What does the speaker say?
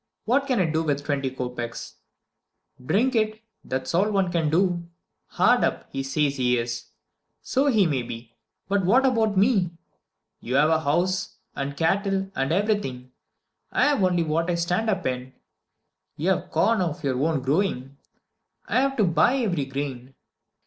What can I do with twenty kopeks? Drink it that's all one can do! Hard up, he says he is! So he may be but what about me? You have a house, and cattle, and everything; I've only what I stand up in! You have corn of your own growing; I have to buy every grain.